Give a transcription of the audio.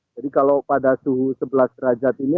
jadi kalau pada suhu sebelas derajat ini